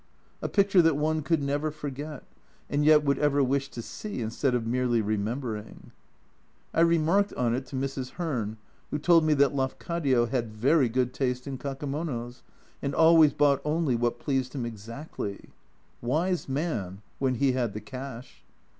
A picture that one could never forget and yet would ever wish to see instead of merely remembering. I remarked on it to Mrs. Hearn, who told me that " Lafcadio had very good taste in kakemonos," and always bought only what pleased him exactly. Wise man ! when he had the cash